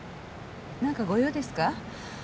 なんかご用ですか？